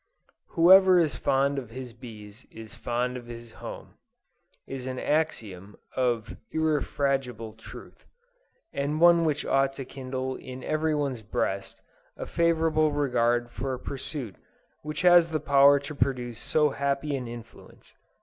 "Whoever is fond of his bees is fond of his home," is an axiom of irrefragable truth, and one which ought to kindle in every one's breast, a favorable regard for a pursuit which has the power to produce so happy an influence.